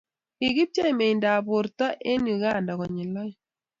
kikibchei meindab borta eng' Uganda konyel oeng'.